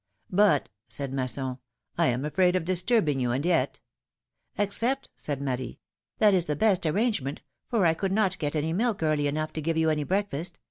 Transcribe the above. " But," said Masson, " I am afraid of disturbing you, and yet —" "Accept," said Marie, " that is the best arrangement, for I could not get any milk early enough to give you any breakfast.